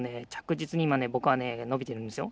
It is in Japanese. じつにいまねぼくはねのびてるんですよ？